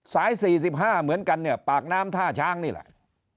๔๕เหมือนกันเนี่ยปากน้ำท่าช้างนี่แหละ